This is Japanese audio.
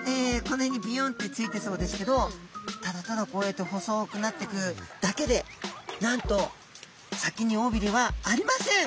この辺にビヨンってついてそうですけどただただこうやって細くなっていくだけでなんと先におびれはありません。